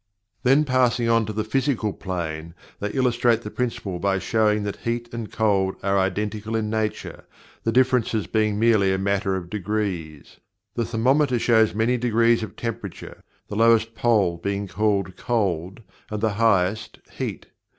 Then passing on to the Physical Plane, they illustrate the Principle by showing that Heat and Cold are identical in nature, the differences being merely a matter of degrees. The thermometer shows many degrees of temperature, the lowest pole being called "cold," and the highest "heat."